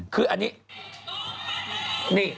คืออันนี้